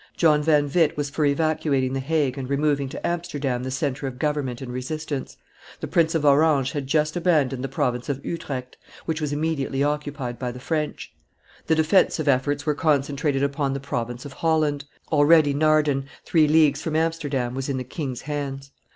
John van Witt was for evacuating the Hague and removing to Amsterdam the centre of government and resistance; the Prince of Orange had just abandoned the province of Utrecht, which was immediately occupied by the French; the defensive efforts were concentrated upon the province of Holland; already Naarden, three leagues from Amsterdam, was in the king's hands.